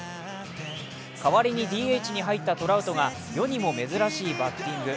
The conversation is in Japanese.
代わりにＤＨに入ったトラウトが世にも珍しいバッティング。